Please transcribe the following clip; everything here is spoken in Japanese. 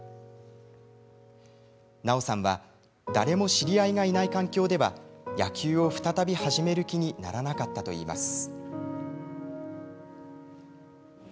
奈緒さんは誰も知り合いがいない環境では野球を再び始める気にならなかったといいます。